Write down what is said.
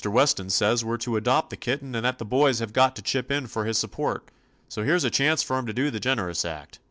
Weston says we 're to adopt the kitten and that the boys have got to chip in for his support. So here 's a chance for 'em to do the generous act.